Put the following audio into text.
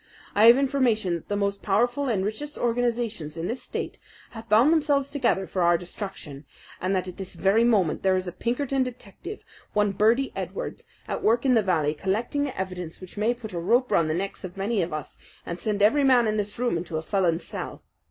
I have information that the most powerful and richest organizations in this state have bound themselves together for our destruction, and that at this very moment there is a Pinkerton detective, one Birdy Edwards, at work in the valley collecting the evidence which may put a rope round the necks of many of us, and send every man in this room into a felon's cell.